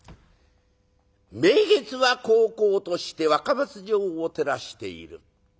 名月はこうこうとして若松城を照らしている。